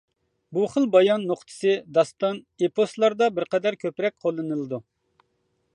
بۇ خىل بايان نۇقتىسى داستان، ئېپوسلاردا بىرقەدەر كۆپرەك قوللىنىلىدۇ.